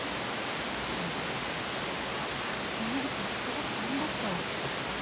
この半年間峰岸はすごく頑張ったよ。